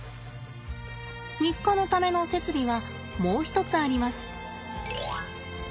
日課のための設備はもう一つあります。